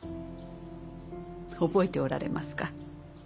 覚えておられますか？